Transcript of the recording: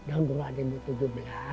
oh dahulu dua ribu tujuh belas